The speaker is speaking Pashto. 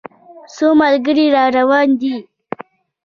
څو ملګري را روان دي.